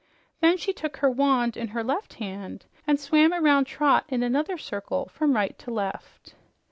Then she took her wand in her left hand and swam around Trot in another circle, from right to left.